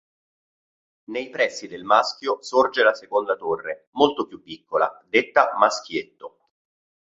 Nei pressi del maschio sorge la seconda torre, molto più piccola, detta "maschietto".